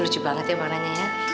lucu banget ya warnanya ya